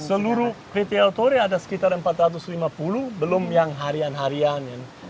seluruh ketiaw tori ada sekitar empat ratus lima puluh belum yang harian harian